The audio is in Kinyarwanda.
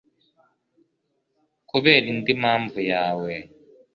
Kubera indi mpamvu yawe